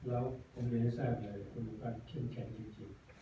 แล้วผมไม่ให้ทราบเลยคุณโฟฟัสเช่นแข็งจริง